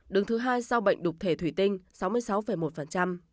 đứng thứ hai sau bệnh đục thể thủy tinh sáu mươi sáu một